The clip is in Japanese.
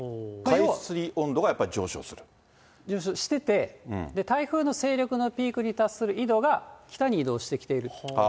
上昇してて、台風の勢力のピークに達する緯度が、北に移動してきていると。